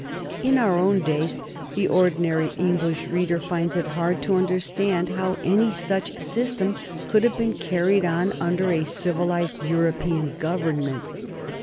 In our own days the ordinary English reader finds it hard to understand how any such system could have been carried on under a civilized European Government.